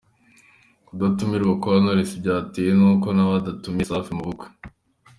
Ku datumirwa kwa knowless byatewe n’uko nawe atatumiye Safi mu bukwe.